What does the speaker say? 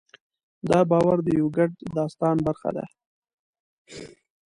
دا باور د یوه ګډ داستان برخه ده.